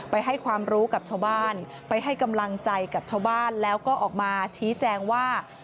ให้ความรู้กับชาวบ้านไปให้กำลังใจกับชาวบ้านแล้วก็ออกมาชี้แจงว่า